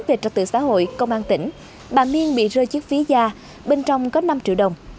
về trật tự xã hội công an tỉnh bà miên bị rơi chiếc ví da bên trong có năm triệu đồng